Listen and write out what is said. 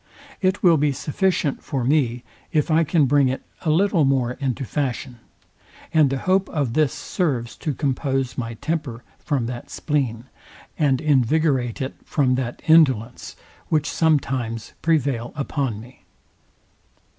It will be sufficient for me, if I can bring it a little more into fashion; and the hope of this serves to compose my temper from that spleen, and invigorate it from that indolence, which sometimes prevail upon me.